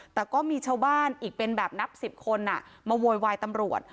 แต่ก็มีชาวบ้านอีกเป็นแบบนับ๑๐คนมาโวยวายตำรวจ